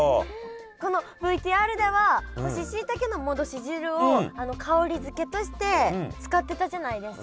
このＶＴＲでは干ししいたけの戻し汁を香り付けとして使ってたじゃないですか。